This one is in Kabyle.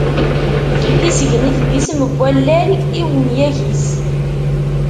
Tisegnit d isem n wallal, i umyag-is?